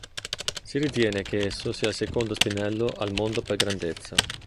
Si ritiene che esso sia il secondo spinello al mondo per grandezza.